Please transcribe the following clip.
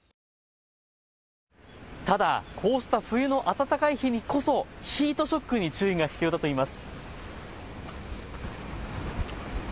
ただ、こうした冬の暖かい日にこそヒートショックに注意が必要だといいます。